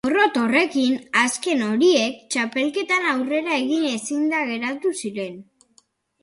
Porrot horrekin azken horiek txapelketan aurrera egin ezinda geratu ziren.